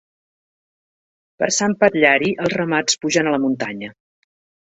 Per Sant Patllari els ramats pugen a la muntanya.